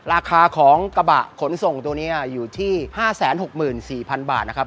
ราคาของกระบะขนส่งตัวนี้อยู่ที่๕๖๔๐๐๐บาทนะครับ